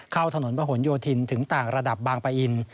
เข้าถนนประหลโยธินถึงต่างระดับบางปะอิน